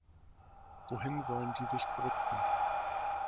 Wohin sollen die sich zurückziehen?